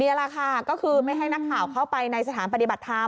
นี่แหละค่ะก็คือไม่ให้นักข่าวเข้าไปในสถานปฏิบัติธรรม